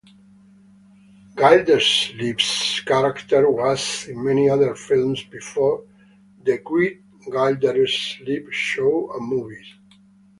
Gildersleeve's character was in many other films before "The Great Gildersleeve" show and movies.